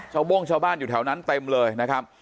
โบ้งชาวบ้านอยู่แถวนั้นเต็มเลยนะครับ